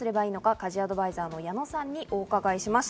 家事アドバイザーの矢野さんにお伺いしました。